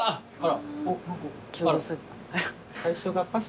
あら。